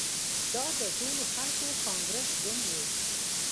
دا د ټولو خلکو کانګرس ګوند وو.